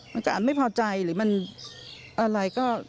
มันก็อาจไม่พอใจหรือมันอะไรก็